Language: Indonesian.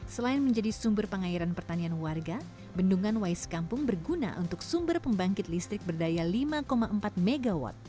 selain menjadi sumber pengairan pertanian warga bendungan wais kampung berguna untuk sumber pembangkit listrik berdaya lima empat mw